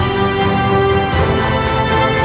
dengan yang fazil